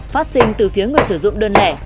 phát sinh từ phía người sử dụng đơn lẻ